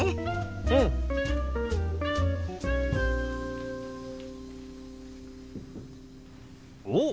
うん！おっ！